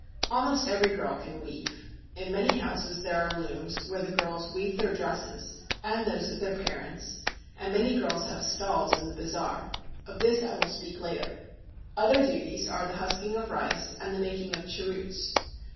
Almost every girl can weave. In many houses there are looms where the girls weave their dresses and those of their parents; and many girls have stalls in the bazaar. Of this I will speak later. Other duties are the husking of rice and the making of cheroots.